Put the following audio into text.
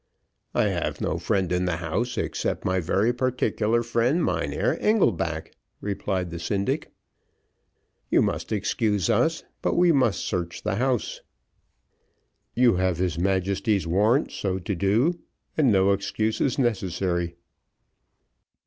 "I have no friend in the house except my very particular friend, Mynheer Engelback," replied the syndic. "You must excuse us, but we must search the house." "You have his Majesty's warrant so to do, and no excuse is necessary."